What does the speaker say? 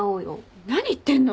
何言ってんの？